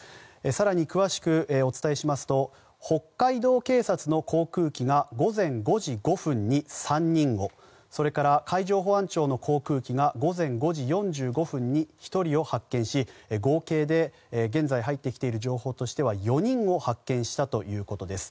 更に、詳しくお伝えしますと北海道警察の航空機が午前５時５分に３人をそれから海上保安庁の航空機が午前５時４５分に１人を発見し合計で現在入ってきている情報としては４人を発見したということです。